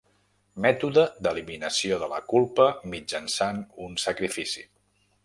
Mètode d'eliminació de la culpa mitjançant un sacrifici.